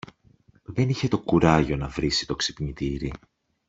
Δεν είχε το κουράγιο να βρίσει το ξυπνητήρι